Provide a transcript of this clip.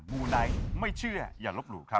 มูไนท์ไม่เชื่ออย่าลบหลู่ครับ